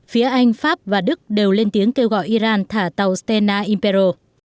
phía anh pháp và đức đều lên tiếng kêu gọi iran thả tàu stena impero